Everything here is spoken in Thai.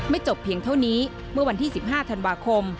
จบเพียงเท่านี้เมื่อวันที่๑๕ธันวาคม